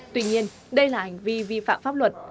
tuy nhiên đây là hành vi vi phạm pháp luật